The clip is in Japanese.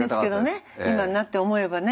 今になって思えばね。